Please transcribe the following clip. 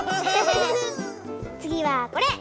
つぎはこれ！